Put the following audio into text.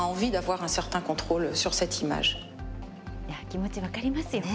気持ち、分かりますよね。